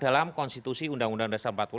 dalam konstitusi undang undang dasar empat puluh lima